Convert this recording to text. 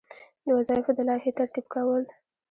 د وظایفو د لایحې ترتیب کول.